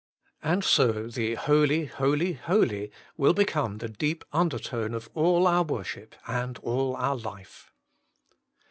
And so the Holy, holy, holy will become the deep undertone of all our worship and all our life.